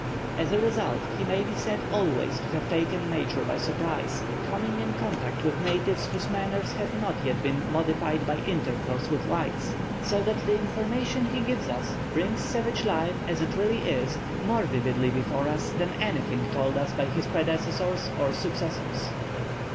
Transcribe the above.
As a result he may be said always to have taken nature by surprise, coming into contact with natives whose manners had not yet been modified by intercourse with whites; so that the information he gives us brings savage life, as it really is, more vividly before us than anything told us by his predecessors or successors.